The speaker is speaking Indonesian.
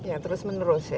ya terus menerus ya